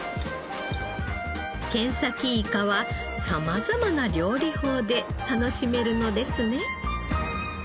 ケンサキイカは様々な料理法で楽しめるのですね。